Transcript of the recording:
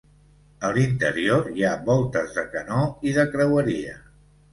A l'interior hi ha voltes de canó i de creueria.